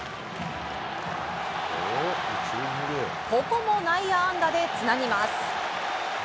ここも内野安打でつなぎます。